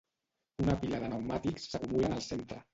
Una pila de pneumàtics s’acumulen al centre.